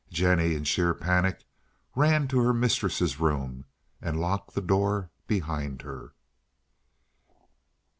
Jennie, in sheer panic, ran to her mistress's room and locked the door behind her.